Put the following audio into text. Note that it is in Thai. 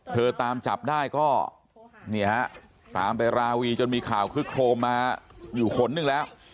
ตามจับได้ก็เนี่ยฮะตามไปราวีจนมีข่าวคึกโครมมาอยู่ขนหนึ่งแล้ว